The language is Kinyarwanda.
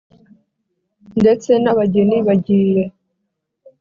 ndetse n’abageni bagiye